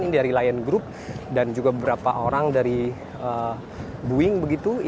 ini dari lion group dan juga beberapa orang dari boeing begitu